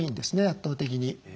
圧倒的に。